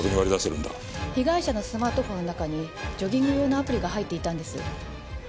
被害者のスマートフォンの中にジョギング用のアプリが入っていたんです。